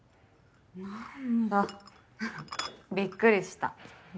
何だびっくりした。